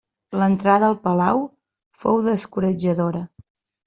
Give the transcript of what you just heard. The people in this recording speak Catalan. L'entrada al palau fou descoratjadora.